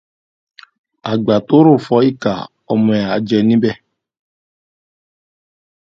Sandridge departs and shortly the Kid appears, pretending he has just arrived.